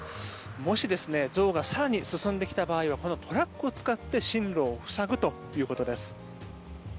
もし、ゾウが更に進んできた場合はこのトラックを使って進路を塞ぐということです。